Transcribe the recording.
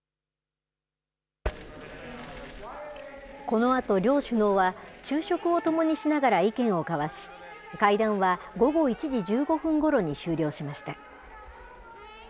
このあと両首脳は、昼食をともにしながら意見を交わし、会談は午後１時１５分ごろに終了しました。